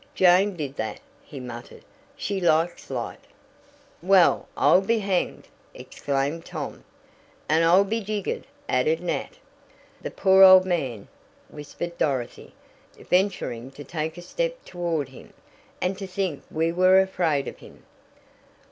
"Jane did that," he muttered. "She likes light." "Well, I'll be hanged!" exclaimed Tom. "And I'll be jiggered!" added Nat. "The poor old man!" whispered Dorothy, venturing to take a step toward him. "And to think we were afraid of him!"